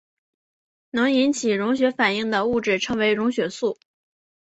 能引起溶血反应的物质称为溶血素。